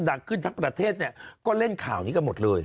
ดังขึ้นทั้งประเทศเนี่ยก็เล่นข่าวนี้กันหมดเลย